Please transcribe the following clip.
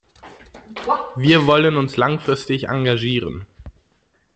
Wir wollen uns langfristig engagieren.